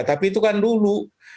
tapi itu kan dulu